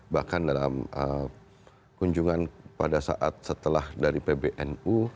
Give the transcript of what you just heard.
bahkan dalam kunjungan pada saat setelah dari pbnu